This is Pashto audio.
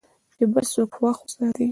چې بل څوک خوښ وساتې .